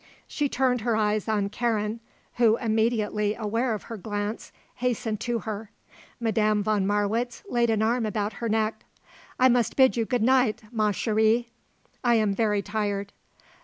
She turned her eyes on Karen, who, immediately aware of her glance, hastened to her. Madame von Marwitz laid an arm about her neck. "I must bid you good night, ma chérie. I am very tired."